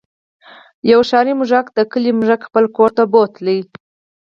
یو ښاري موږک د کلي موږک خپل کور ته بوت.